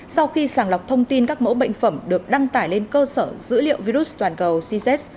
sau khi sàng lọc thông tin các mẫu bệnh phẩm được đăng tải lên cơ sở dữ liệu virus toàn cầu cz